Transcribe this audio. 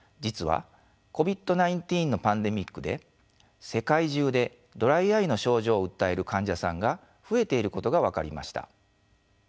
実はＣＯＶＩＤ−１９のパンデミックで世界中でドライアイの症状を訴える患者さんが増えていることが分かりました。